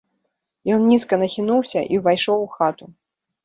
Ён нізка нахінуўся і ўвайшоў у хату.